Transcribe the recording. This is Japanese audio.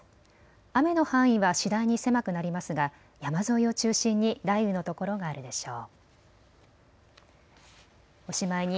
雨の範囲は次第に狭くなりますが山沿いを中心に雷雨の所があるでしょう。